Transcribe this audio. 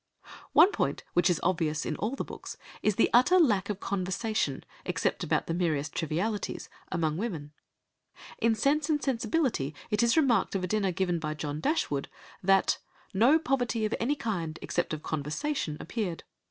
One point which is obvious in all the books is the utter lack of conversation, except about the merest trivialities, among women. In Sense and Sensibility it is remarked of a dinner given by John Dashwood that "no poverty of any kind, except of conversation, appeared....